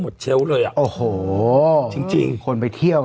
คนไปเที่ยวกันนะคนจีนออกไปเที่ยว